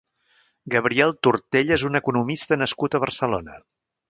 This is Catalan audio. Gabriel Tortella és un economista nascut a Barcelona.